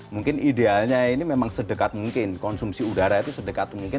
mungkin idealnya ini memang sedekat mungkin konsumsi udara itu sedekat mungkin